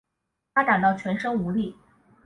她感到全身无力